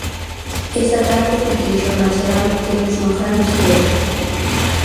E esta tarde, no Telexornal Serán, teremos unha grande estrea!